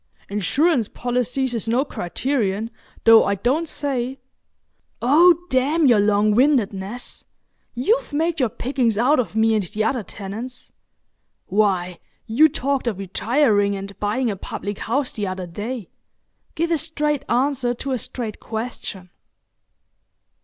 "Insurance policies is no criterion, though I don't say——" "Oh, damn your longwindedness! You've made your pickings out of me and the other tenants. Why, you talked of retiring and buying a public house the other day. Give a straight answer to a straight question."